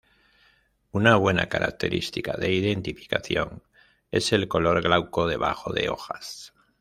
Una buena característica de identificación es el color glauco debajo de hojas.